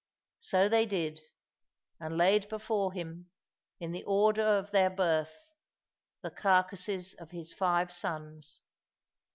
So they did; and laid before him, in the order of their birth, the carcases of his five sons.